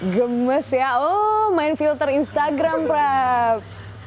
gemas ya oh main filter instagram prab